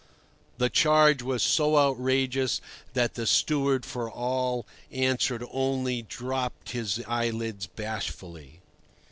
The charge was so outrageous that the steward for all answer only dropped his eyelids bashfully.